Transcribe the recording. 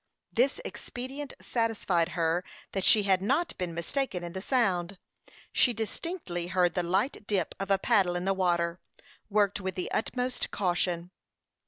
This expedient satisfied her that she had not been mistaken in the sound. She distinctly heard the light dip of a paddle in the water, worked with the utmost caution.